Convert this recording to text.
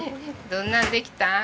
どんなんできたん？